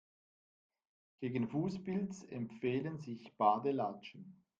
Gegen Fußpilz empfehlen sich Badelatschen.